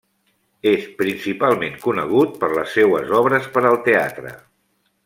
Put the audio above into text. És principalment conegut per les seues obres per al teatre.